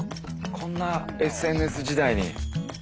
こんなＳＮＳ時代に。